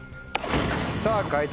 さぁ解答